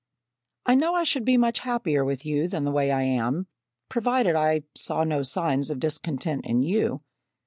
"I know I should be much happier with you than the way I am, provided I saw no signs of discontent in you.